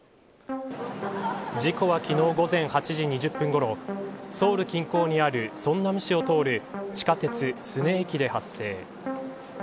事故は昨日午前８時２０分ごろソウル近郊にある城南市を通る地下鉄、薮内駅で発生。